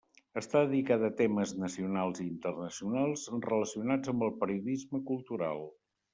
Està dedicada a temes nacionals i internacionals relacionats amb el periodisme cultural.